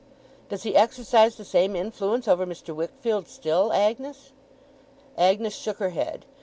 'Does he exercise the same influence over Mr. Wickfield still, Agnes?' Agnes shook her head.